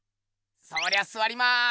そりゃすわります。